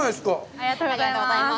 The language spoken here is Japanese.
ありがとうございます。